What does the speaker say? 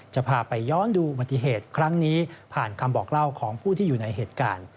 จะพาไปย้อนดูอุบัติเหตุครั้งนี้ผ่านคำบอกเล่าของผู้ที่อยู่ในเหตุการณ์